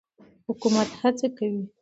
حکومت هڅې کوي.